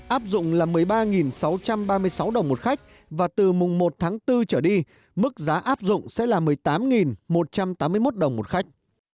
áp dụng là một mươi ba sáu trăm ba mươi sáu đồng một khách và từ mùng một tháng bốn trở đi mức giá áp dụng sẽ là một mươi tám một trăm tám mươi một đồng một khách